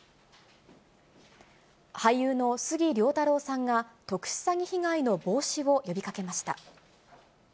俳優の杉良太郎さんが、特殊詐欺被害の防止を呼びかけました。